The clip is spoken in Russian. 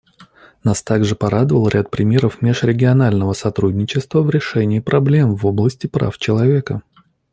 Нас также порадовал ряд примеров межрегионального сотрудничества в решении проблем в области прав человека.